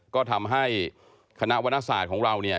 ก็ทำให้คณะวรรณศาสตร์ของเราเนี่ย